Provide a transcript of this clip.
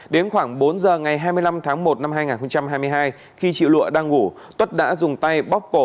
đến khoảng bốn giờ ngày hai mươi năm tháng một năm hai nghìn hai mươi hai khi chị lụa đang ngủ tất đã dùng tay bóc cổ